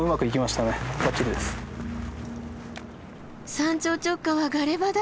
山頂直下はガレ場だ。